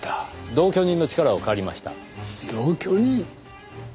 同居人？